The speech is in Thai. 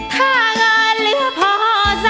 ถ้างั้นเหลือพอซะ